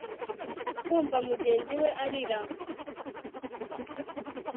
Kumva mugenzi we arira